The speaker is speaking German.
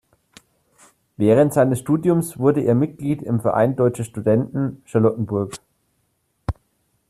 Während seines Studiums wurde er Mitglied im "Verein Deutscher Studenten Charlottenburg".